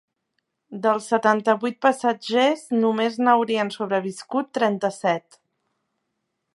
Dels setanta-vuit passatgers només n’haurien sobreviscut trenta-set.